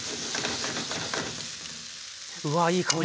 うわいい香りが。